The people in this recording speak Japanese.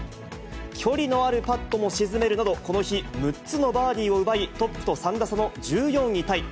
距離のあるパットも沈めるなど、この日、６つのバーディーを奪い、トップと３打差の１４位タイ。